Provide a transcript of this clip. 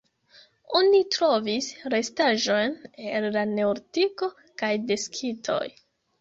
Oni trovis restaĵojn el la neolitiko kaj de skitoj.